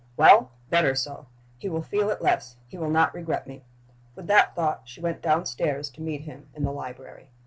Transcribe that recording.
"Well! better so. He will feel it less he will not regret me." With that thought she went downstairs to meet him in the library.